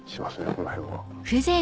この辺は。